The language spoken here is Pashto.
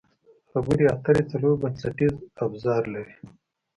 خبرې اترې څلور بنسټیز ابزار لري.